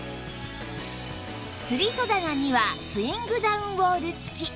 つり戸棚にはスイングダウンウォール付き